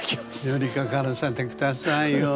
寄りかからせて下さいよ。